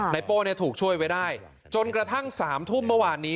โป้ถูกช่วยไว้ได้จนกระทั่ง๓ทุ่มเมื่อวานนี้